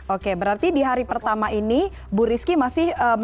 oke berarti di hari pertama ini bu rizky masih